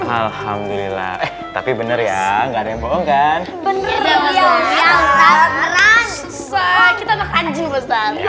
alhamdulillah tapi bener ya nggak ada yang bohong kan bener bener yang takaran susah kita